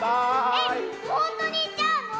えっほんとにいっちゃうの？